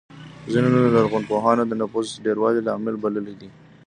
ځینو لرغونپوهانو د نفوسو ډېروالی لامل بللی دی